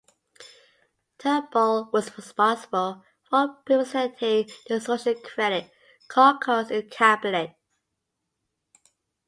Turnbull was responsible for representing the Social Credit caucus in cabinet.